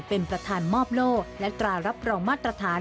เป็นประธานมอบโล่และตรารับรองมาตรฐาน